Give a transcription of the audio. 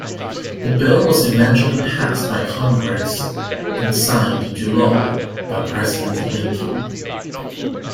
The bill was eventually passed by Congress and signed into law by President Lincoln.